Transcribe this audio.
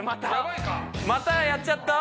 またやっちゃった？